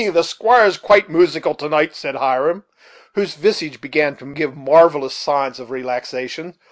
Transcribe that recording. the squire is quite moosical to night," said Hiram, whose visage began to give marvellous signs of relaxation.